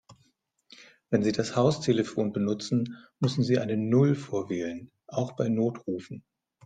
Wenn Sie das Haustelefon benutzen, müssen Sie eine Null vorwählen, auch bei Notrufen.